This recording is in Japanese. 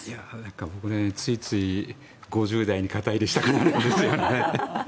僕、ついつい５０代に肩入れしたくなるんですよね。